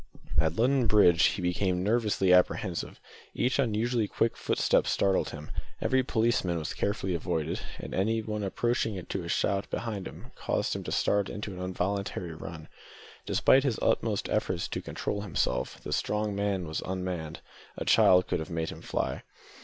At London Bridge he became nervously apprehensive. Each unusually quick footstep startled him. Every policeman was carefully avoided, and anything approaching to a shout behind caused him to start into an involuntary run. Despite his utmost efforts to control himself, the strong man was unmanned; a child could have made him fly.